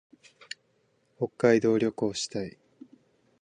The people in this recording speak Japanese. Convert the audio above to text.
北海道旅行したい。